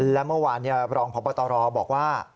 และเมื่อวานรองพบตรบอกว่า